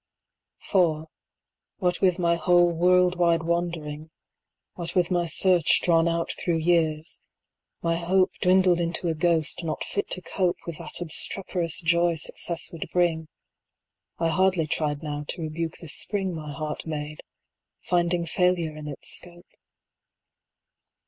For, what with my whole world wide wandering, What with my search drawn out through years, my hope 20 Dwindled into a ghost not fit to cope With that obstreperous joy success would bring, I hardly tried now to rebuke the spring My heart made, finding failure in its scope.